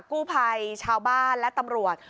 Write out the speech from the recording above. กู้ภัยชาวบ้านและตำรวจ